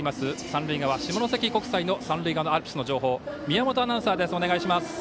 三塁側、下関国際のアルプスの情報宮本アナウンサーです。